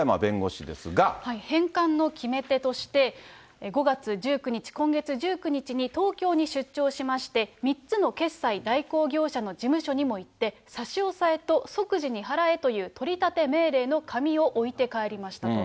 返還の決め手として、５月１９日、今月１９日に東京に出張しまして、３つの決済代行業者の事務所にも行って、差し押さえと即時に払えという取り立て命令の紙を置いて帰りましたと。